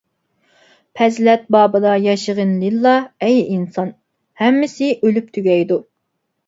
پەزىلەت بابىدا ياشىغىن لىللا، ئەي ئىنسان، ھەممىسى ئۆلۈپ تۈگەيدۇ.